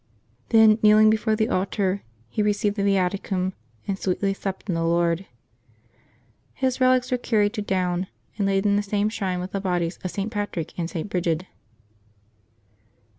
Then, kneeling before the altar, he received the Viaticum, and sweetly slept in the Lord. His relics were carried to Down, and laid in the same shrine with the bodies of St. Patrick and St. Brigid.